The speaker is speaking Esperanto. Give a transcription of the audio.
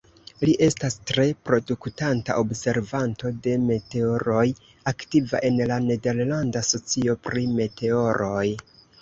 Li estas tre produktanta observanto de meteoroj, aktiva en la Nederlanda Socio pri Meteoroj.